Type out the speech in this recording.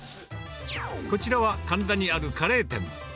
こちらは神田にあるカレー店。